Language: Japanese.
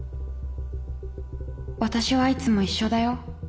私はいつも一緒だよ